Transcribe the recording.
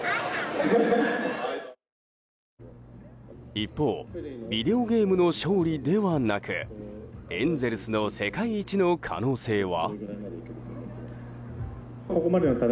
一方ビデオゲームの勝利ではなくエンゼルスの世界一の可能性は。